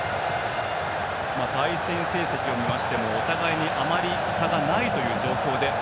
対戦成績を見ましてもお互いにあまり差がないという状況で。